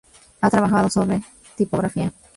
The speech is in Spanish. Ha trabajado sobre tipografía.